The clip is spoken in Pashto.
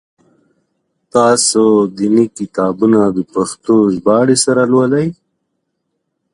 تاسو دیني کتابونه د پښتو ژباړي سره لولی؟